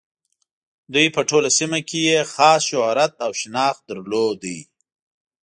دوی په ټوله سیمه کې یې خاص شهرت او شناخت درلود.